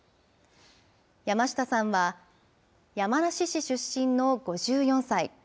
山下さんは山梨市出身の５４歳。